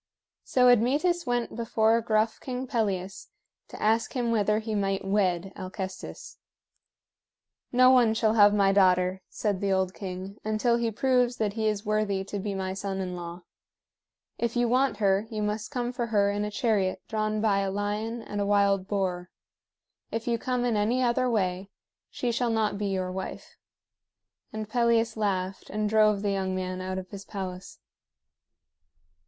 So Admetus went before gruff King Pelias to ask him whether he might wed Alcestis. "No one shall have my daughter," said the old king, "until he proves that he is worthy to be my son in law. If you want her, you must come for her in a chariot drawn by a lion and a wild boar. If you come in any other way, she shall not be your wife." And Pelias laughed, and drove the young man out of his palace.